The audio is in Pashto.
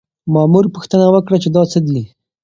مامور پوښتنه وکړه چې دا څه دي؟